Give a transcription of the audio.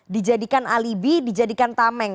dijadikan alibi dijadikan tameng